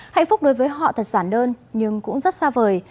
hạnh phúc đối với họ thật giản đơn nhưng cũng rất xa vời